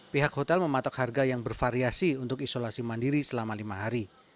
pihak hotel mematok harga yang bervariasi untuk isolasi mandiri selama lima hari